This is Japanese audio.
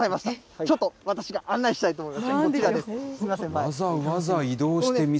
ちょっと私が案内したいと思います。